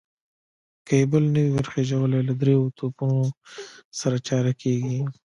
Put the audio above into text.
که يې بل نه وي ور خېژولی، له درېيو توپونو سره چاره کېږي.